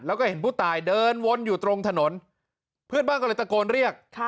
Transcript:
แล้วก็เห็นผู้ตายเดินวนอยู่ตรงถนนเพื่อนบ้านก็เลยตะโกนเรียก